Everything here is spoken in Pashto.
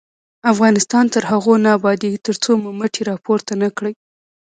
افغانستان تر هغو نه ابادیږي، ترڅو مو مټې راپورته نه کړي.